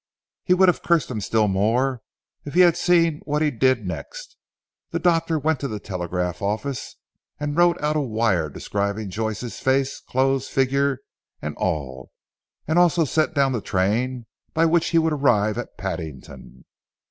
He would have cursed him still more if he had seen what he did next. The doctor went to the telegraph office, and wrote out a wire describing Joyce's face, clothes, figure, and all: also set down the train by which he would arrive at Paddington.